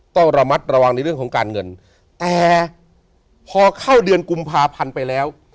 ต้องระมัดระวังในเรื่องของการเงินแต่พอเข้าเดือนกุมภาพันธ์ไปแล้ว